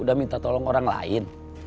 udah minta tolong orang lain